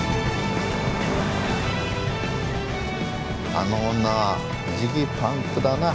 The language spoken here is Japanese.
あの女はじきパンクだな。